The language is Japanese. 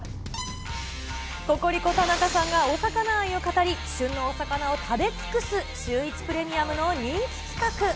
ココリコ・田中さんがお魚愛を語り、旬のお魚を食べつくすシューイチプレミアムの人気企画。